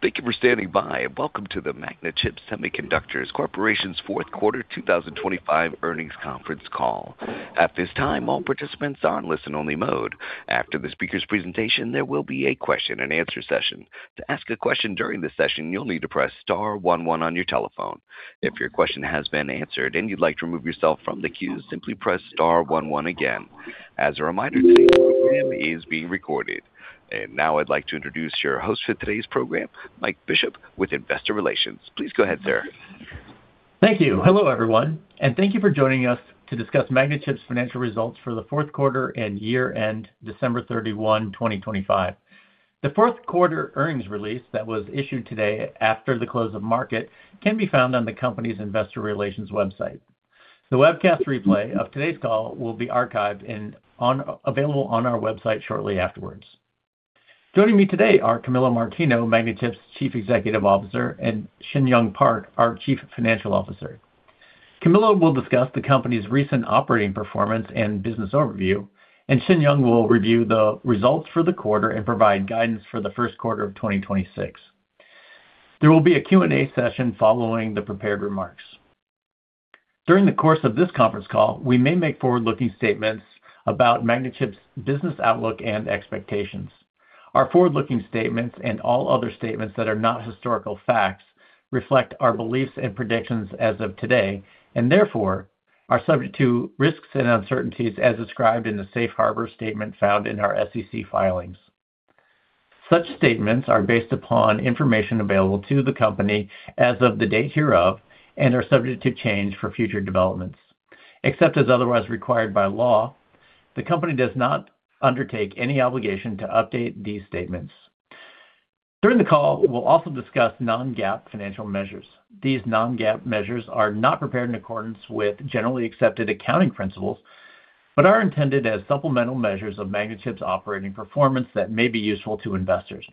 Thank you for standing by, and welcome to the Magnachip Semiconductor Corporation's Fourth Quarter 2025 Earnings Conference Call. At this time, all participants are in listen-only mode. After the speaker's presentation, there will be a question-and-answer session. To ask a question during the session, you'll need to press star 11 on your telephone. If your question has been answered and you'd like to remove yourself from the queue, simply press star one one again. As a reminder today, is being recorded. Now I'd like to introduce your host for today's program, Mike Bishop with Investor Relations. Please go ahead, sir. Thank you. Hello, everyone, and thank you for joining us to discuss Magnachip's Financial Results for the Fourth Quarter and Year-end December 31, 2025. The fourth quarter earnings release that was issued today after the close of market can be found on the company's investor relations website. The webcast replay of today's call will be archived and available on our website shortly afterwards. Joining me today are Camillo Martino, Magnachip's Chief Executive Officer, and Shin Young Park, our Chief Financial Officer. Camillo will discuss the company's recent operating performance and business overview. Shin Young will review the results for the quarter and provide guidance for the first quarter of 2026. There will be a Q&A session following the prepared remarks. During the course of this conference call, we may make forward-looking statements about Magnachip's business outlook and expectations. Our forward-looking statements and all other statements that are not historical facts reflect our beliefs and predictions as of today and therefore are subject to risks and uncertainties as described in the safe harbor statement found in our SEC filings. Such statements are based upon information available to the company as of the date hereof and are subject to change for future developments. Except as otherwise required by law, the company does not undertake any obligation to update these statements. During the call, we'll also discuss non-GAAP financial measures. These non-GAAP measures are not prepared in accordance with generally accepted accounting principles but are intended as supplemental measures of Magnachip's operating performance that may be useful to investors.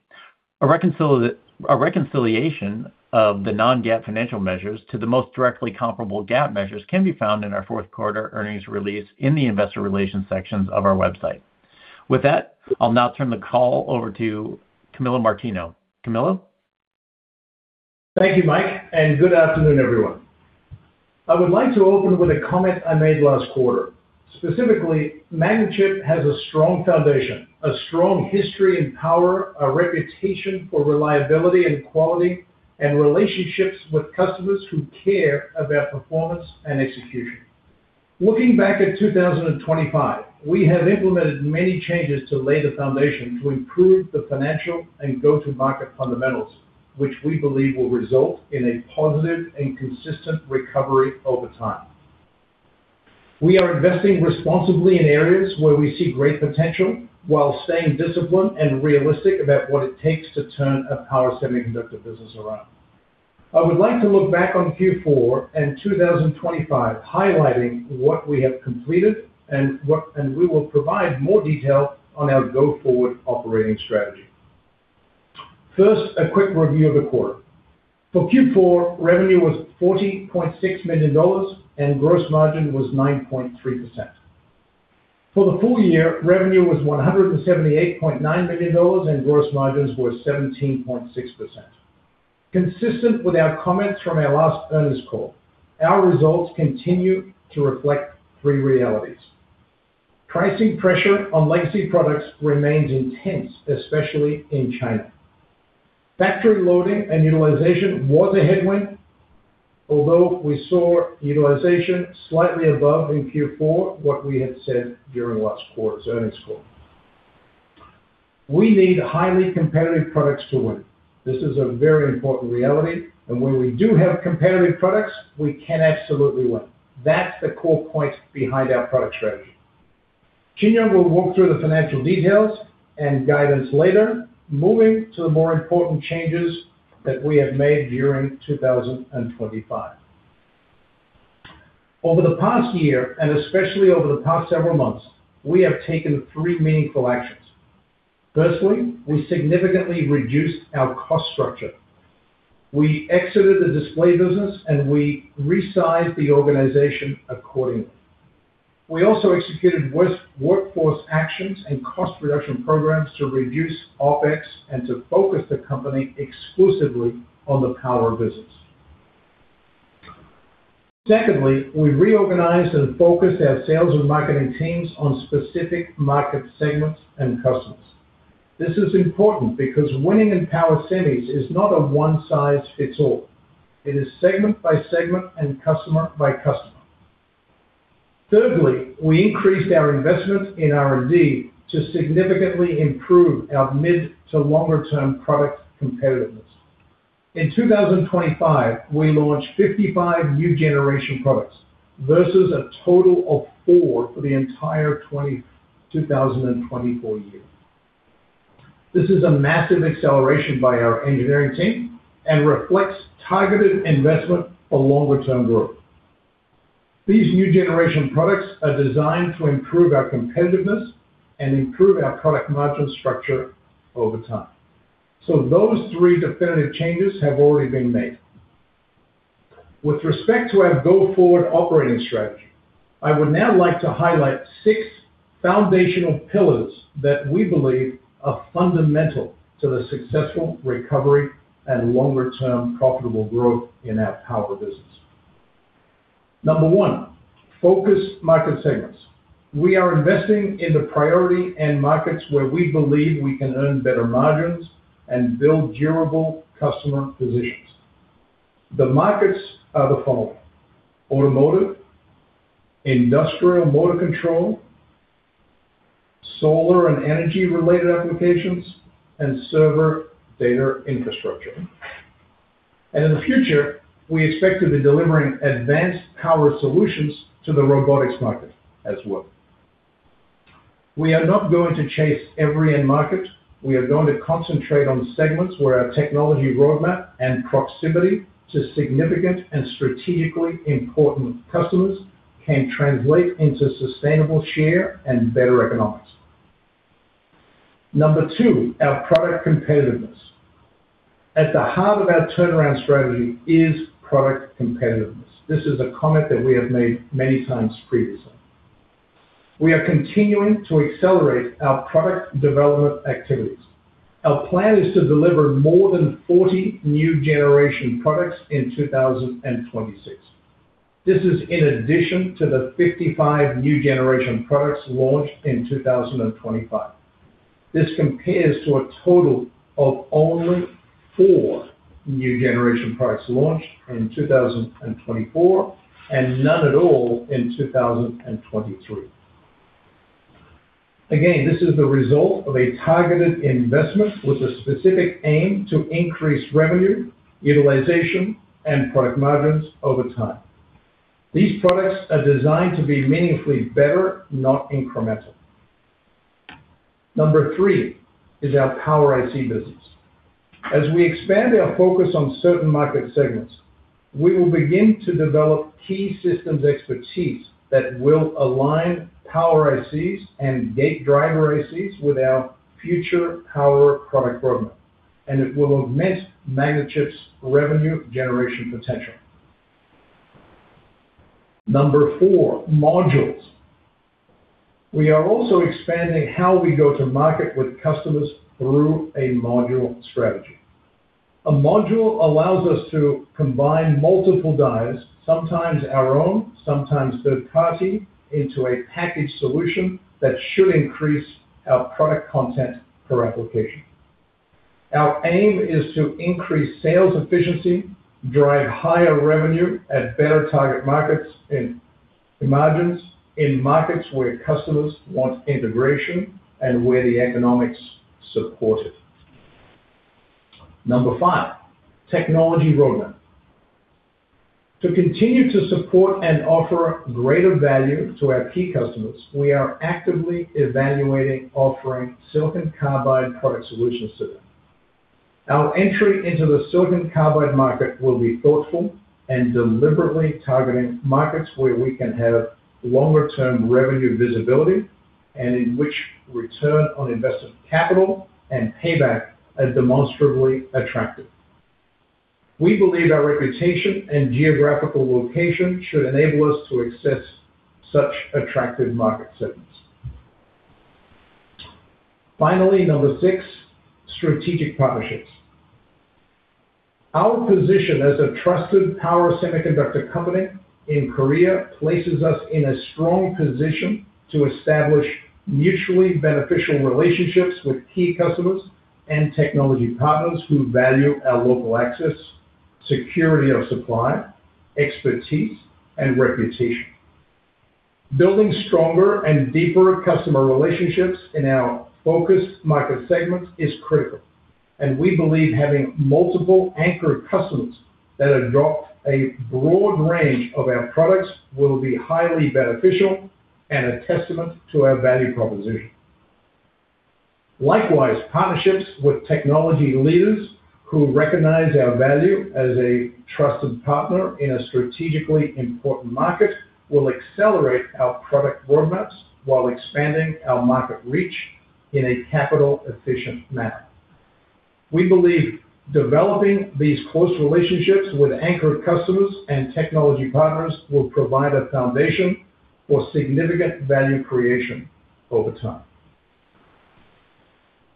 A reconciliation of the non-GAAP financial measures to the most directly comparable GAAP measures can be found in our fourth quarter earnings release in the investor relations sections of our website. With that, I'll now turn the call over to Camillo Martino. Camillo. Thank you, Mike. Good afternoon, everyone. I would like to open with a comment I made last quarter. Specifically, Magnachip has a strong foundation, a strong history in power, a reputation for reliability and quality, and relationships with customers who care about performance and execution. Looking back at 2025, we have implemented many changes to lay the foundation to improve the financial and go-to-market fundamentals, which we believe will result in a positive and consistent recovery over time. We are investing responsibly in areas where we see great potential while staying disciplined and realistic about what it takes to turn a power semiconductor business around. I would like to look back on Q4 and 2025, highlighting what we have completed and we will provide more detail on our go-forward operating strategy. First, a quick review of the quarter. For Q4, revenue was $40.6 million, and gross margin was 9.3%. For the full year, revenue was $178.9 million, and gross margins were 17.6%. Consistent with our comments from our last earnings call, our results continue to reflect three realities. Pricing pressure on legacy products remains intense, especially in China. Factory loading and utilization was a headwind, although we saw utilization slightly above in Q4 what we had said during last quarter's earnings call. We need highly competitive products to win. This is a very important reality, and when we do have competitive products, we can absolutely win. That's the core point behind our product strategy. Shin Young will walk through the financial details and guidance later, moving to the more important changes that we have made during 2025. Over the past year, and especially over the past several months, we have taken three meaningful actions. Firstly, we significantly reduced our cost structure. We exited the display business, and we resized the organization accordingly. We also executed workforce actions and cost reduction programs to reduce OpEx and to focus the company exclusively on the power business. Secondly, we reorganized and focused our sales and marketing teams on specific market segments and customers. This is important because winning in power semis is not a one-size-fits-all. It is segment by segment and customer by customer. Thirdly, we increased our investment in R&D to significantly improve our mid to longer-term product competitiveness. In 2025, we launched 55 new generation products versus a total of four for the entire 2024 year. This is a massive acceleration by our engineering team and reflects targeted investment for longer-term growth. These new generation products are designed to improve our competitiveness and improve our product margin structure over time. Those three definitive changes have already been made. With respect to our go forward operating strategy, I would now like to highlight six foundational pillars that we believe are fundamental to the successful recovery and longer-term profitable growth in our power business. Number one, focus market segments. We are investing in the priority end markets where we believe we can earn better margins and build durable customer positions. The markets are the following: automotive, industrial motor control, solar and energy related applications, and server data infrastructure. In the future, we expect to be delivering advanced power solutions to the robotics market as well. We are not going to chase every end market. We are going to concentrate on segments where our technology roadmap and proximity to significant and strategically important customers can translate into sustainable share and better economics. Number two, our product competitiveness. At the heart of our turnaround strategy is product competitiveness. This is a comment that we have made many times previously. We are continuing to accelerate our product development activities. Our plan is to deliver more than 40 new generation products in 2026. This is in addition to the 55 new generation products launched in 2025. This compares to a total of only four new generation products launched in 2024, and none at all in 2023. Again, this is the result of a targeted investment with a specific aim to increase revenue, utilization and product margins over time. These products are designed to be meaningfully better, not incremental. Number three, is our Power IC business. As we expand our focus on certain market segments, we will begin to develop key systems expertise that will align Power ICs and gate driver ICs with our future power product roadmap, and it will augment Magnachip's revenue generation potential. Number four, Modules. We are also expanding how we go to market with customers through a module strategy. A module allows us to combine multiple dies, sometimes our own, sometimes third party, into a packaged solution that should increase our product content per application. Our aim is to increase sales efficiency, drive higher revenue at better target markets in margins, in markets where customers want integration and where the economics support it. Number five, technology roadmap. To continue to support and offer greater value to our key customers, we are actively evaluating offering silicon carbide product solutions to them. Our entry into the silicon carbide market will be thoughtful and deliberately targeting markets where we can have longer term revenue visibility and in which return on investment capital and payback are demonstrably attractive. We believe our reputation and geographical location should enable us to access such attractive market segments. Finally, number six, strategic partnerships. Our position as a trusted power semiconductor company in Korea places us in a strong position to establish mutually beneficial relationships with key customers and technology partners who value our local access, security of supply, expertise and reputation. Building stronger and deeper customer relationships in our focus market segments is critical, and we believe having multiple anchor customers that adopt a broad range of our products will be highly beneficial and a testament to our value proposition. Likewise, partnerships with technology leaders who recognize our value as a trusted partner in a strategically important market will accelerate our product roadmaps while expanding our market reach in a capital efficient manner. We believe developing these close relationships with anchor customers and technology partners will provide a foundation for significant value creation over time.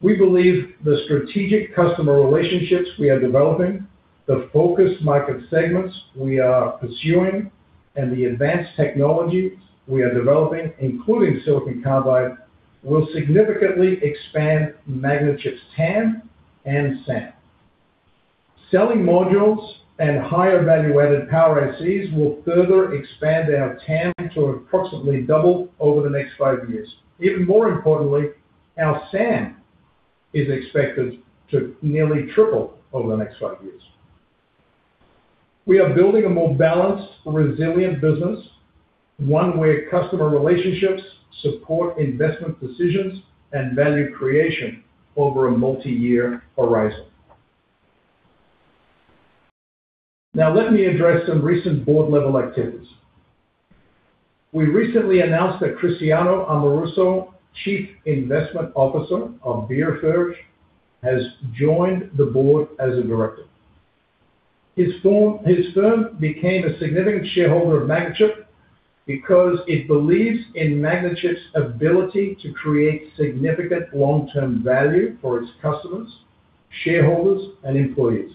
We believe the strategic customer relationships we are developing, the focus market segments we are pursuing, and the advanced technologies we are developing, including silicon carbide, will significantly expand Magnachip's TAM and SAM. Selling modules and higher value added Power ICs will further expand our TAM to approximately double over the next five years. Even more importantly, our SAM is expected to nearly triple over the next five years. We are building a more balanced, resilient business, one where customer relationships support investment decisions and value creation over a multi-year horizon. Now let me address some recent board level activities. We recently announced that Cristiano Amoruso, Chief Investment Officer of Byreforge, has joined the board as a Director. His firm became a significant shareholder of Magnachip because it believes in Magnachip's ability to create significant long-term value for its customers, shareholders, and employees.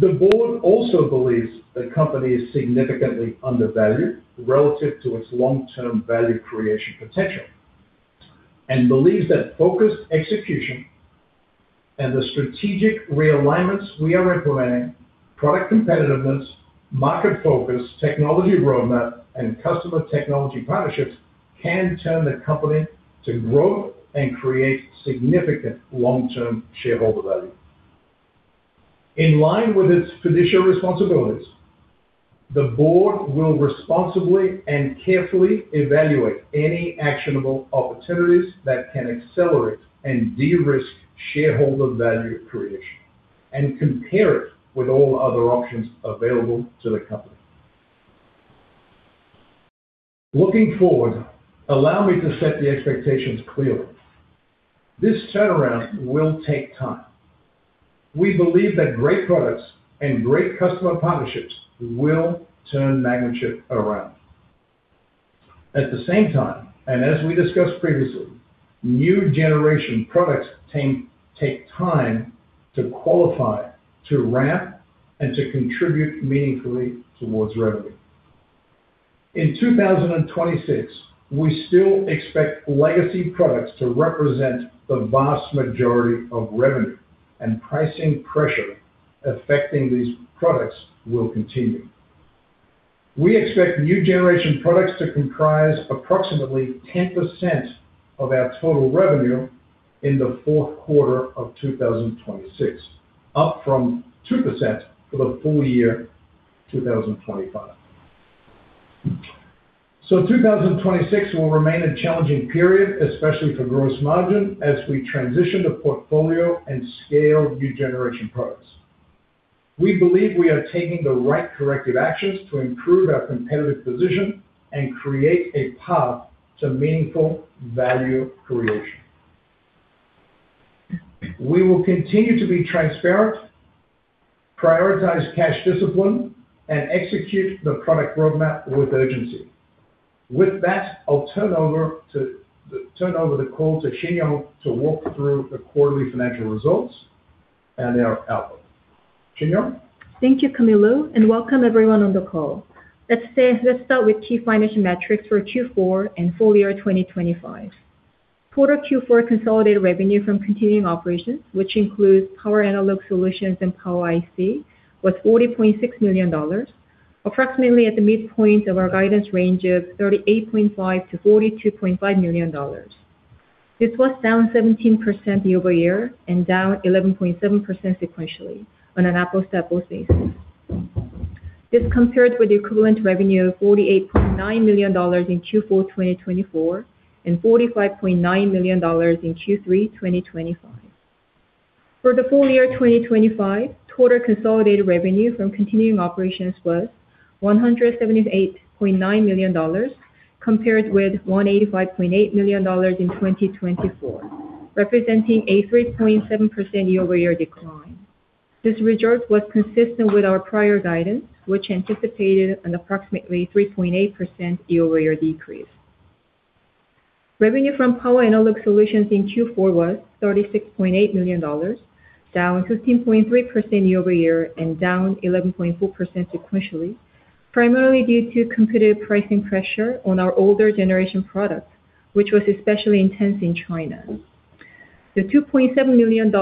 The board also believes the company is significantly undervalued relative to its long-term value creation potential, and believes that focused execution and the strategic realignments we are implementing, product competitiveness, market focus, technology roadmap, and customer technology partnerships can turn the company to grow and create significant long-term shareholder value. In line with its fiduciary responsibilities, the board will responsibly and carefully evaluate any actionable opportunities that can accelerate and de-risk shareholder value creation and compare it with all other options available to the company. Looking forward, allow me to set the expectations clearly. This turnaround will take time. We believe that great products and great customer partnerships will turn Magnachip around. At the same time, and as we discussed previously, new generation products take time to qualify, to ramp, and to contribute meaningfully towards revenue. In 2026, we still expect legacy products to represent the vast majority of revenue, and pricing pressure affecting these products will continue. We expect new generation products to comprise approximately 10% of our total revenue in the fourth quarter of 2026, up from 2% for the full year 2025. So, 2026 will remain a challenging period, especially for gross margin, as we transition the portfolio and scale new generation products. We believe we are taking the right corrective actions to improve our competitive position and create a path to meaningful value creation. We will continue to be transparent, prioritize cash discipline, and execute the product roadmap with urgency. With that, I'll turn over the call to Shin Young to walk through the quarterly financial results and our outlook. Shin Young? Thank you, Camillo, and welcome everyone on the call. Let's start with key financial metrics for Q4 and full year 2025. Total Q4 consolidated revenue from continuing operations, which includes Power Analog Solutions and Power IC, was $40.6 million, approximately at the midpoint of our guidance range of $38.5 million-$42.5 million. This was down 17% year-over-year and down 11.7% sequentially on an apple-to-apple basis. This compared with the equivalent revenue of $48.9 million in Q4 2024 and $45.9 million in Q3 2025. For the full year 2025, total consolidated revenue from continuing operations was $178.9 million, compared with $185.8 million in 2024, representing a 3.7% year-over-year decline. This result was consistent with our prior guidance, which anticipated an approximately 3.8% year-over-year decrease. Revenue from Power Analog Solutions in Q4 was $36.8 million, down 15.3% year-over-year and down 11.4% sequentially, primarily due to competitive pricing pressure on our older generation products, which was especially intense in China. The $2.7 million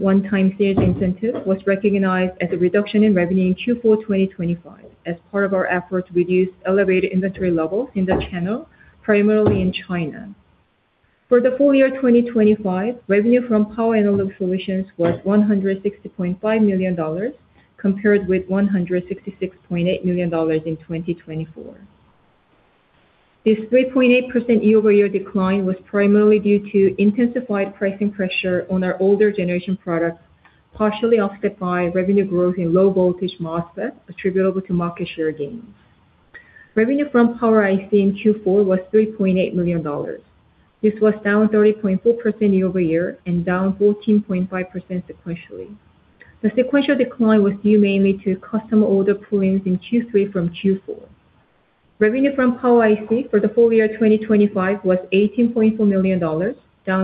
one-time sales incentive was recognized as a reduction in revenue in Q4 2025 as part of our effort to reduce elevated inventory levels in the channel, primarily in China. For the full year 2025, revenue from Power Analog Solutions was $160.5 million, compared with $166.8 million in 2024. This 3.8% year-over-year decline was primarily due to intensified pricing pressure on our older generation products, partially offset by revenue growth in Low-Voltage MOSFET attributable to market share gains. Revenue from Power IC in Q4 was $3.8 million. This was down 30.4% year-over-year and down 14.5% sequentially. The sequential decline was due mainly to customer order pull-ins in Q3 from Q4. Revenue from Power IC for the full year 2025 was $18.4 million, down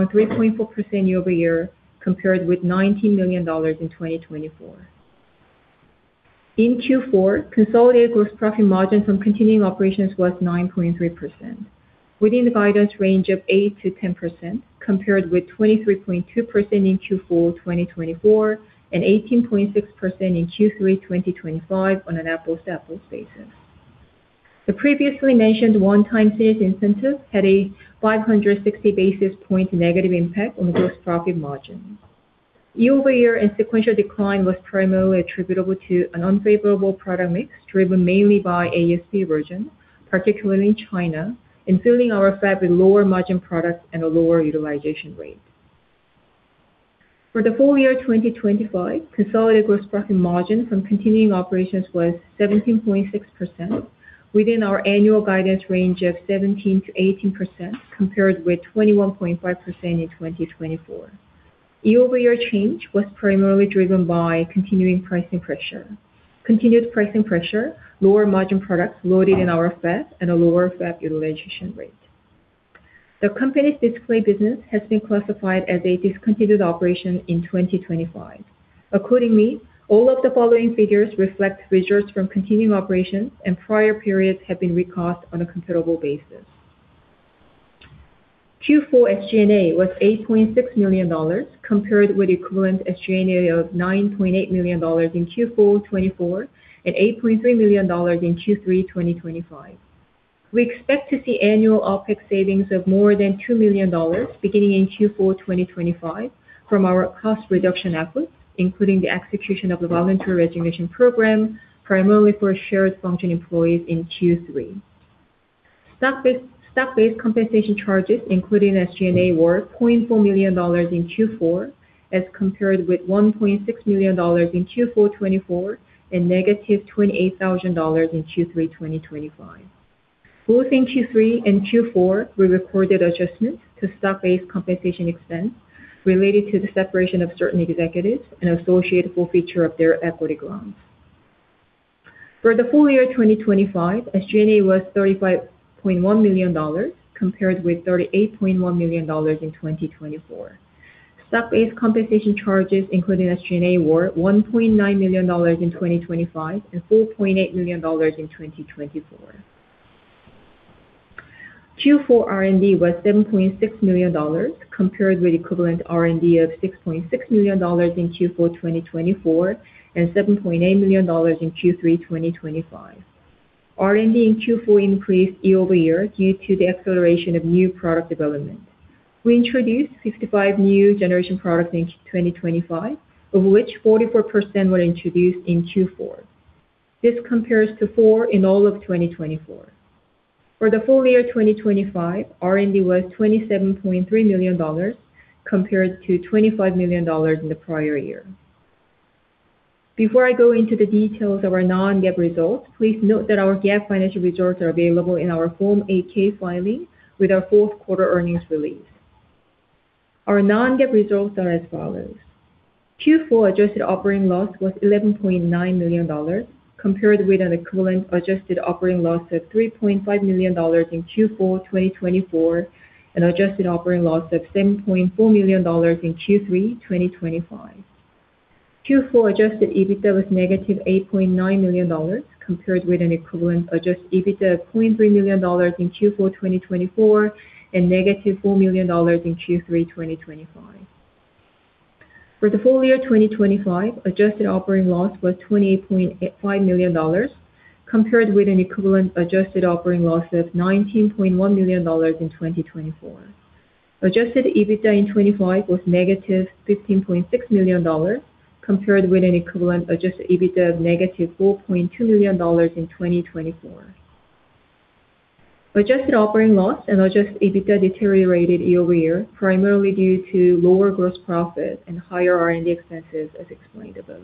3.4% year-over-year compared with $19 million in 2024. In Q4, consolidated gross profit margins from continuing operations was 9.3% within the guidance range of 8%-10%, compared with 23.2% in Q4 2024 and 18.6% in Q3 2025 on an apple-to-apple basis. The previously mentioned one-time sales incentive had a 560 basis point negative impact on gross profit margin. Year-over-year and sequential decline was primarily attributable to an unfavorable product mix, driven mainly by ASP erosion, particularly in China, and filling our fab with lower margin products and a lower utilization rate. For the full year 2025, consolidated gross profit margin from continuing operations was 17.6% within our annual guidance range of 17%-18% compared with 21.5% in 2024. Year-over-year change was primarily driven by continuing pricing pressure, continued pricing pressure, lower margin products loaded in our fab, and a lower fab utilization rate. The company's display business has been classified as a discontinued operation in 2025. Accordingly, all of the following figures reflect results from continuing operations and prior periods have been re-cost on a comparable basis. Q4 SG&A was $8.6 million compared with equivalent SG&A of $9.8 million in Q4 2024 and $8.3 million in Q3 2025. We expect to see annual OpEx savings of more than $2 million beginning in Q4 2025 from our cost reduction efforts, including the execution of the voluntary resignation program primarily for shared function employees in Q3. Stock-based compensation charges including SG&A were $0.4 million in Q4 as compared with $1.6 million in Q4 2024 and -$28,000 in Q3 2025. Both in Q3 and Q4, we recorded adjustments to stock-based compensation expense related to the separation of certain executives and associated full feature of their equity grants. For the full year 2025, SG&A was $35.1 million compared with $38.1 million in 2024. Stock-based compensation charges including SG&A were $1.9 million in 2025 and $4.8 million in 2024. Q4 R&D was $7.6 million compared with equivalent R&D of $6.6 million in Q4 2024 and $7.8 million in Q3 2025. R&D in Q4 increased year-over-year due to the acceleration of new product development. We introduced 55 new generation products in 2025, of which 44% were introduced in Q4. This compares to four in all of 2024. For the full year 2025, R&D was $27.3 million compared to $25 million in the prior year. Before I go into the details of our non-GAAP results, please note that our GAAP financial results are available in our Form 8-K filing with our fourth quarter earnings release. Our non-GAAP results are as follows. Q4 adjusted operating loss was $11.9 million compared with an equivalent adjusted operating loss of $3.5 million in Q4 2024 and adjusted operating loss of $7.4 million in Q3 2025. Q4 adjusted EBITDA was negative $8.9 million compared with an equivalent adjusted EBITDA of $0.3 million in Q4 2024 and negative $4 million in Q3 2025. For the full year 2025, adjusted operating loss was $28.5 million compared with an equivalent adjusted operating loss of $19.1 million in 2024. Adjusted EBITDA in 2025 was negative $15.6 million compared with an equivalent adjusted EBITDA of negative $4.2 million in 2024. Adjusted operating loss and adjusted EBITDA deteriorated year-over-year, primarily due to lower gross profit and higher R&D expenses, as explained above.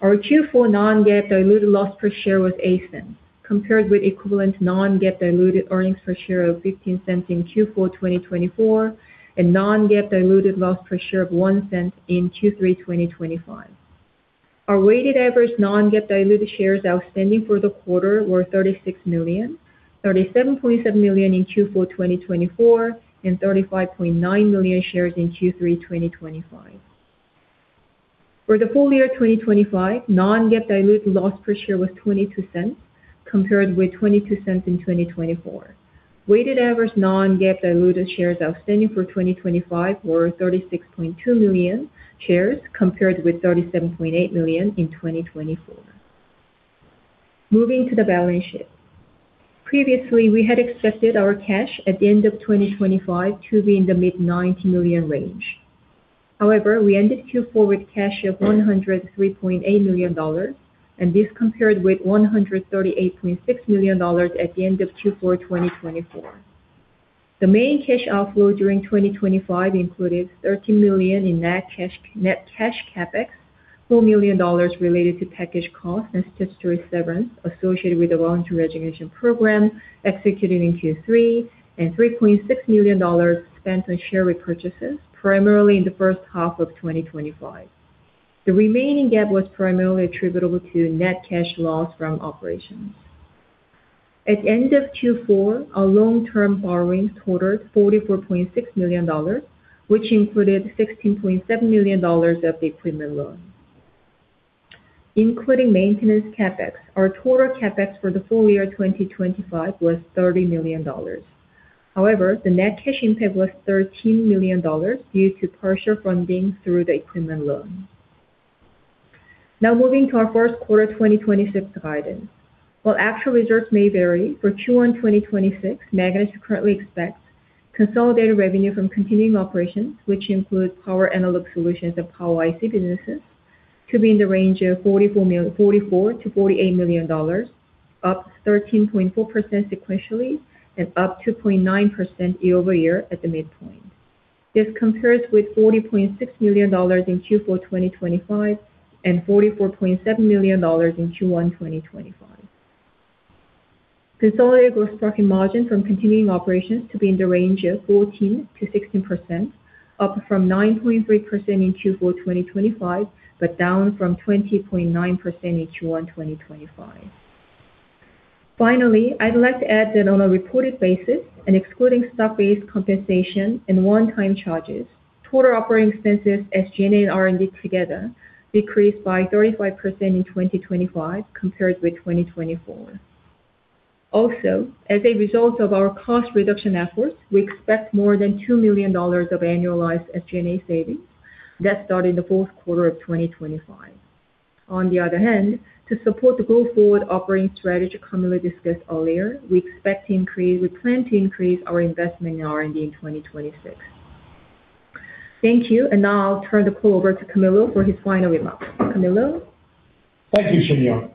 Our Q4 non-GAAP diluted loss per share was $0.08, compared with equivalent non-GAAP diluted earnings per share of $0.15 in Q4 2024 and non-GAAP diluted loss per share of $0.01 in Q3 2025. Our weighted average non-GAAP diluted shares outstanding for the quarter were 36 million, 37.7 million in Q4 2024, and 35.9 million shares in Q3 2025. For the full year 2025, non-GAAP diluted loss per share was $0.22, compared with $0.22 in 2024. Weighted average non-GAAP diluted shares outstanding for 2025 were 36.2 million shares compared with 37.8 million in 2024. Moving to the balance sheet. Previously, we had expected our cash at the end of 2025 to be in the mid $90 million range. However, we ended Q4 with cash of $103.8 million, and this compared with $138.6 million at the end of Q4 2024. The main cash outflow during 2025 included $13 million in net cash, net cash CapEx, $4 million related to package costs and statutory severance associated with the voluntary resignation program executed in Q3, and $3.6 million spent on share repurchases primarily in the first half of 2025. The remaining gap was primarily attributable to net cash loss from operations. At end of Q4, our long-term borrowings totaled $44.6 million, which included $16.7 million of the equipment loan. Including maintenance CapEx, our total CapEx for the full year 2025 was $30 million. However, the net cash in CapEx was $13 million due to partial funding through the equipment loan. Moving to our first quarter 2026 guidance. While actual results may vary, for Q1 2026, Magnachip currently expects consolidated revenue from continuing operations, which include Power Analog Solutions and Power IC businesses to be in the range of $44 million-$48 million, up 13.4% sequentially and up 2.9% year-over-year at the midpoint. This compares with $40.6 million in Q4 2025, and $44.7 million in Q1 2025. Consolidated gross profit margin from continuing operations to be in the range of 14%-16%, up from 9.3% in Q4 2025, but down from 20.9% in Q1 2025. Finally, I'd like to add that on a reported basis, and excluding stock-based compensation and one-time charges, total operating expenses, SG&A and R&D together decreased by 35% in 2025 compared with 2024. As a result of our cost reduction efforts, we expect more than $2 million of annualized SG&A savings that start in the fourth quarter of 2025. On the other hand, to support the go forward operating strategy Camillo discussed earlier, we plan to increase our investment in R&D in 2026. Thank you. Now I'll turn the call over to Camillo for his final remarks. Camillo? Thank you, Shin Young.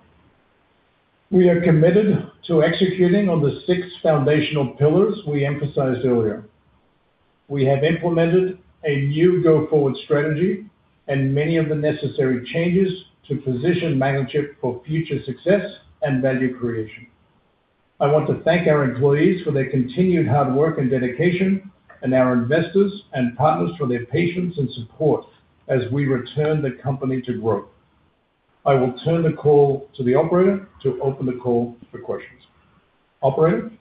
We are committed to executing on the six foundational pillars we emphasized earlier. We have implemented a new go-forward strategy and many of the necessary changes to position Magnachip for future success and value creation. I want to thank our employees for their continued hard work and dedication and our investors and partners for their patience and support as we return the company to growth. I will turn the call to the operator to open the call for questions. Operator?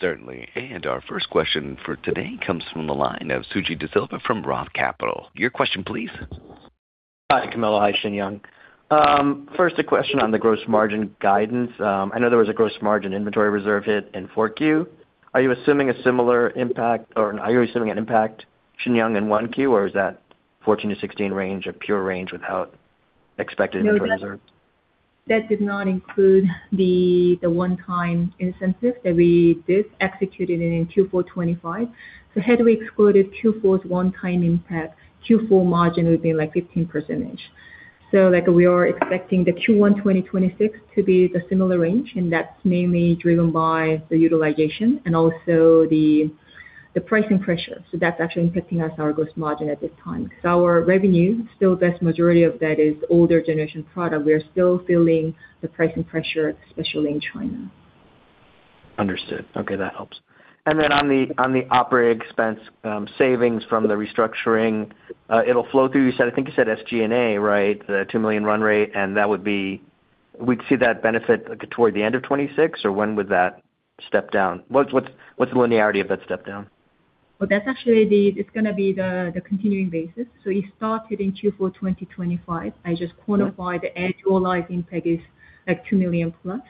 Certainly. Our first question for today comes from the line of Suji Desilva from Roth Capital. Your question please. Hi, Camillo. Hi, Shin Young. First, a question on the gross margin guidance. I know there was a gross margin inventory reserve hit in 4Q. Are you assuming a similar impact, or are you assuming an impact, Shin Young, in 1Q, or is that 14%-16% range a pure range without expected inventory reserve? No, that did not include the one-time incentive that we did, executed it in Q4 2025. Had we excluded Q4's one-time impact, Q4 margin would be like 15%. Like we are expecting the Q1 2026 to be the similar range, and that's mainly driven by the utilization and also the pricing pressure. That's actually impacting us, our gross margin at this time. Our revenue, still the vast majority of that is older generation product. We are still feeling the pricing pressure, especially in China. Understood. Okay, that helps. On the operating expense savings from the restructuring, it'll flow through, you said, I think you said SG&A, right? The $2 million run rate, and that would be... We'd see that benefit toward the end of 2026 or when would that step down? What's the linearity of that step down? Well, that's actually it's gonna be the continuing basis. It started in Q4 2025. I just quantified the annualized impact is like $2 million plus.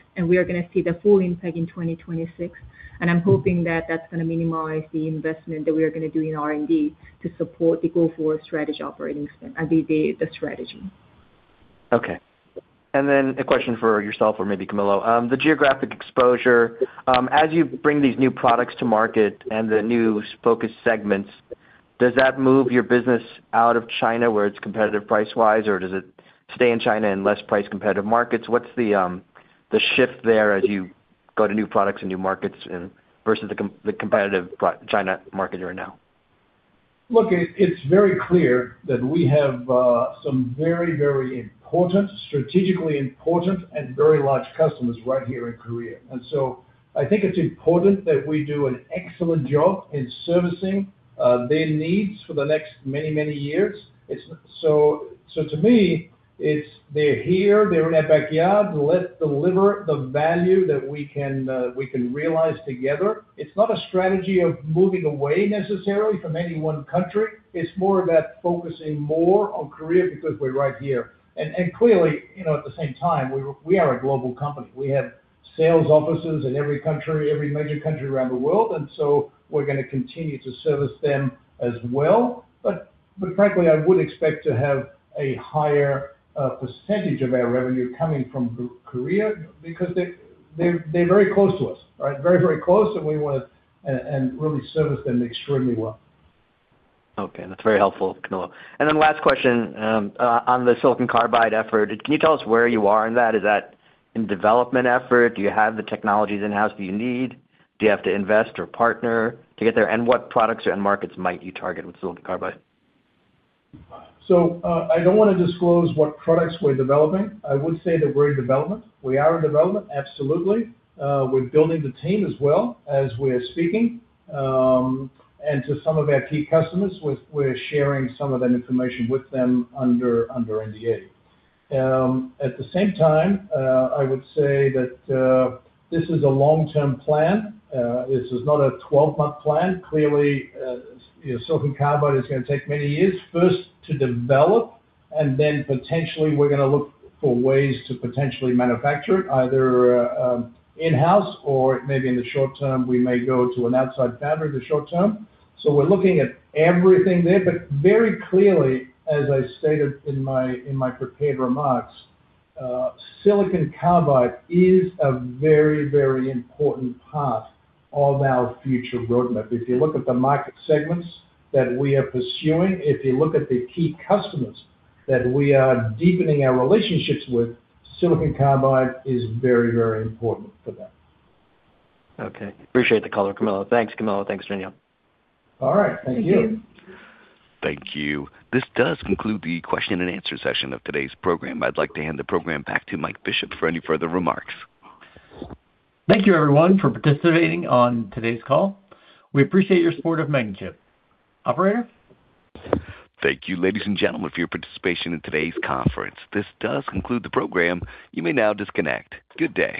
I'm hoping that that's gonna minimize the investment that we are gonna do in R&D to support the go-forward strategy the strategy. Okay. A question for yourself or maybe Camillo. The geographic exposure, as you bring these new products to market and the new focused segments, does that move your business out of China where it's competitive price-wise, or does it stay in China in less price competitive markets? What's the shift there as you go to new products and new markets and versus the competitive China market right now? Look, it's very clear that we have some very important, strategically important and very large customers right here in Korea. I think it's important that we do an excellent job in servicing their needs for the next many years. To me, it's they're here, they're in our backyard, let's deliver the value that we can realize together. It's not a strategy of moving away necessarily from any one country. It's more about focusing more on Korea because we're right here. Clearly, you know, at the same time, we are a global company. We have sales offices in every country, every major country around the world, we're gonna continue to service them as well. frankly, I would expect to have a higher percentage of our revenue coming from Korea because they're very close to us, right? Very, very close, and we wanna and really service them extremely well. Okay, that's very helpful, Camillo. Last question, on the silicon carbide effort. Can you tell us where you are in that? Is that in development effort? Do you have the technologies in-house that you need? Do you have to invest or partner to get there? What products or end markets might you target with silicon carbide? I don't wanna disclose what products we're developing. I would say that we're in development. We are in development, absolutely. We're building the team as well as we're speaking, and to some of our key customers, we're sharing some of that information with them under NDA. At the same time, I would say that this is a long-term plan. This is not a 12-month plan. Clearly, you know, silicon carbide is gonna take many years, first to develop and then potentially we're gonna look for ways to potentially manufacture it either in-house or maybe in the short term, we may go to an outside foundry in the short term. We're looking at everything there, but very clearly, as I stated in my prepared remarks, silicon carbide is a very important part of our future roadmap. If you look at the market segments that we are pursuing, if you look at the key customers that we are deepening our relationships with, silicon carbide is very important for that. Appreciate the color, Camillo. Thanks, Camillo. Thanks, Shin Young. All right. Thank you. Thank you. This does conclude the question and answer session of today's program. I'd like to hand the program back to Mike Bishop for any further remarks. Thank you, everyone, for participating on today's call. We appreciate your support of Magnachip. Operator? Thank you, ladies and gentlemen, for your participation in today's conference. This does conclude the program. You may now disconnect. Good day.